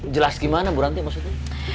jelas gimana bu ranti maksudnya